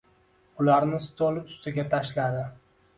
Ularni stol ustiga tashladi.